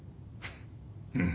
うん。